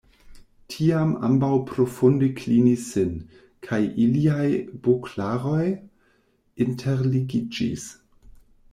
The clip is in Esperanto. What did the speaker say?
Tiam ambaŭ profunde klinis sin, kaj iliaj buklaroj interligiĝis.